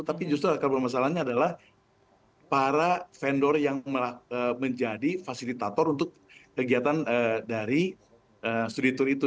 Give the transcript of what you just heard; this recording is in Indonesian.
tapi justru akar permasalahannya adalah para vendor yang menjadi fasilitator untuk kegiatan dari studi tour itu